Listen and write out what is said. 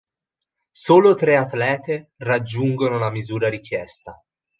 Solo tre atlete raggiungono la misura richiesta.